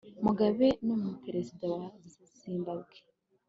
mugabe n'umuperezida wa zimbabwe